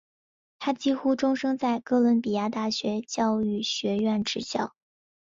他几乎终生在哥伦比亚大学教育学院执教。